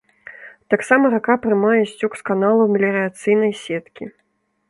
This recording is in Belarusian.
Таксама рака прымае сцёк з каналаў меліярацыйнай сеткі.